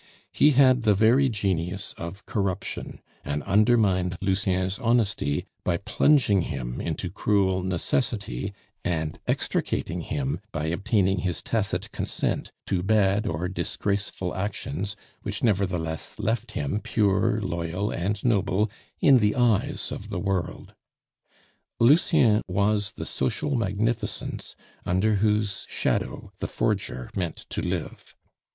He had the very genius of corruption, and undermined Lucien's honesty by plunging him into cruel necessity, and extricating him by obtaining his tacit consent to bad or disgraceful actions, which nevertheless left him pure, loyal, and noble in the eyes of the world. Lucien was the social magnificence under whose shadow the forger meant to live.